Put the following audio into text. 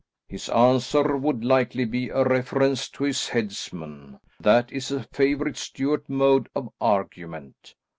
His answer would likely be a reference to his headsman; that is a favourite Stuart mode of argument.